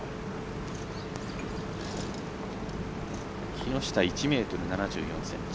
木下、１ｍ７４ｃｍ。